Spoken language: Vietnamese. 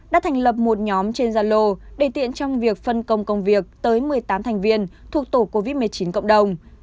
đã thành lập một nhóm trên gia lô để tiện trong việc phân công công việc tới một mươi tám thành viên thuộc tổ covid một mươi chín cộng đồng